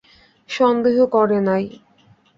সন্দেহ করে নাই!